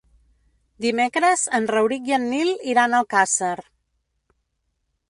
Dimecres en Rauric i en Nil iran a Alcàsser.